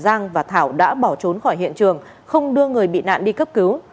giang và thảo đã bỏ trốn khỏi hiện trường không đưa người bị nạn đi cấp cứu